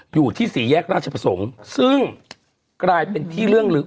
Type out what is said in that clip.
อยู่ที่สี่แยกราชประสงค์ซึ่งกลายเป็นที่เรื่องลึก